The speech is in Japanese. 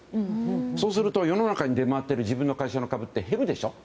そうすると世の中に出回っている自分の会社の株って減るでしょ。